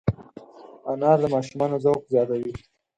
انار د ماشومانو ذوق زیاتوي.